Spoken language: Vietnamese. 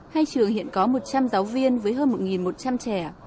hai trường hiện có một trăm linh giáo viên với hơn một một trăm linh trẻ